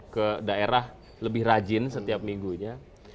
ke daerah lebih rajin setiap minggunya